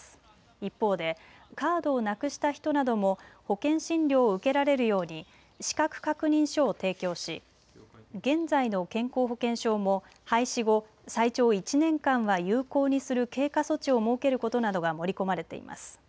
一方でカードをなくした人なども保険診療を受けられるように資格確認書を提供し現在の健康保険証も廃止後最長１年間は有効にする経過措置を設けることなどが盛り込まれています。